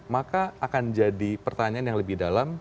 maka akan jadi pertanyaan yang lebih dalam